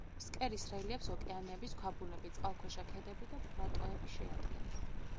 ფსკერის რელიეფს ოკეანეების ქვაბულები, წყალქვეშა ქედები და პლატოები შეადგენს.